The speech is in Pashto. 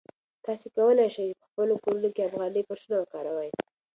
تاسي کولای شئ په خپلو کورونو کې افغاني فرشونه وکاروئ.